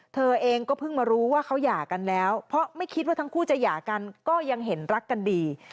เธอเองก็เพิ่งมารู้ว่าเขาหย่ากันแล้วเพราะไม่คิดว่าทั้งคู่จะหย่ากันก็ยังเห็นรักกันดี